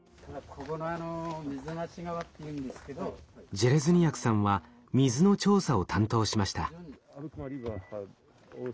ジェレズニヤクさんは水の調査を担当しました。